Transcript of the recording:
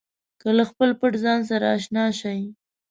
که له خپل پټ ځان سره اشنا شئ.